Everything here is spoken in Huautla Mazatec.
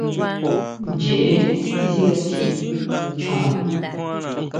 Ncheé tisikatji chjon.